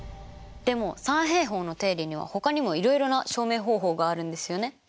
でも三平方の定理にはほかにもいろいろな証明方法があるんですよねマスター。